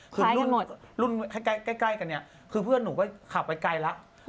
คือรุ่นใกล้กันเนี่ยคือเพื่อนหนูก็ขับไปไกลแล้ว